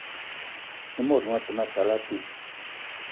I mot gnion a te ma tal abei